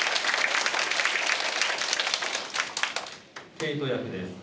ケイト役です